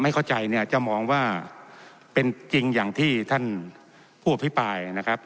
เข้าใจเนี่ยจะมองว่าเป็นจริงอย่างที่ท่านผู้อภิปรายนะครับ